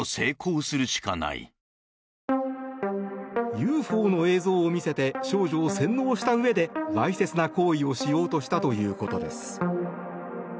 ＵＦＯの映像を見せて少女を洗脳したうえでわいせつな行為をしようとしたということです。